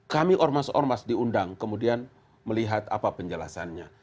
kami ormas ormas diundang kemudian melihat apa penjelasannya